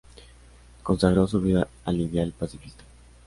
Consagró su vida al ideal pacifista.